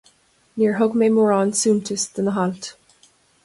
Níor thug mé mórán suntais do na hailt.